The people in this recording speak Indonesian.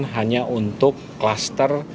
hanya untuk kluster